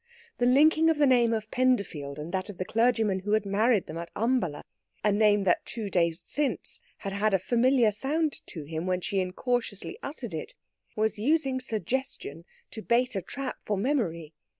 The linking of the name of Penderfield and that of the clergyman who had married them at Umballa a name that, two days since, had had a familiar sound to him when she incautiously uttered it was using Suggestion to bait a trap for Memory.